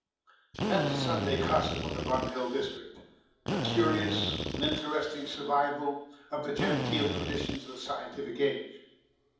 That was the Sunday costume of the Bun Hill district, a curious and interesting survival of the genteel traditions of the Scientific Age.